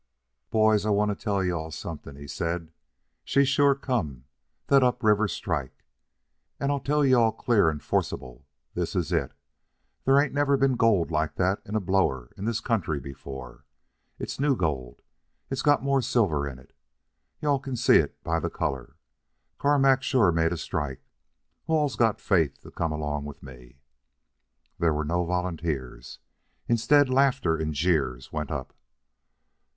"Boys, I want to tell you all something," he said. "She's sure come the up river strike. And I tell you all, clear and forcible, this is it. There ain't never been gold like that in a blower in this country before. It's new gold. It's got more silver in it. You all can see it by the color. Carmack's sure made a strike. Who all's got faith to come along with me?" There were no volunteers. Instead, laughter and jeers went up.